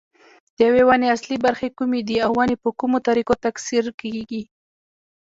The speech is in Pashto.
د یوې ونې اصلي برخې کومې دي او ونې په کومو طریقو تکثیر کېږي.